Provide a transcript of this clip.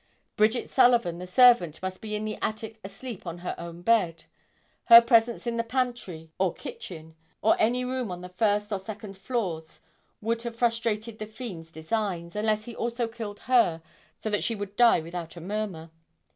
Bridget Sullivan, the servant, must be in the attic asleep on her own bed. Her presence in the pantry or kitchen or any room on the first or second floors would have frustrated the fiend's designs, unless he also killed her so that she would die without a murmur.